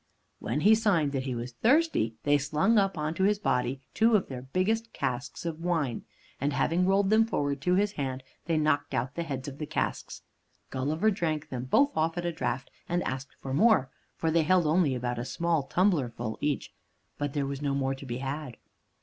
When he signed that he was thirsty, they slung up on to his body two of their biggest casks of wine, and having rolled them forward to his hand they knocked out the heads of the casks. Gulliver drank them both off at a draught, and asked for more, for they held only about a small tumblerful each. But there was no more to be had.